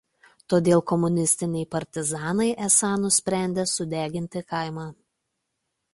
Todėl komunistiniai partizanai esą nusprendė sudeginti kaimą.